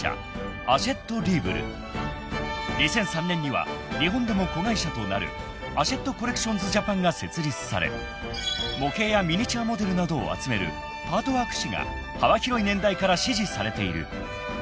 ［２００３年には日本でも子会社となるアシェット・コレクションズ・ジャパンが設立され模型やミニチュアモデルなどを集めるパートワーク誌が幅広い年代から支持されている］